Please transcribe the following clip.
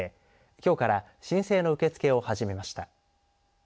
きょうから申請の受け付けを始めました。